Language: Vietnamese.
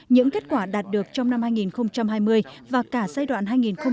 những kết quả đạt được trong năm hai nghìn hai mươi và cả giai đoạn hai nghìn một mươi một hai nghìn hai mươi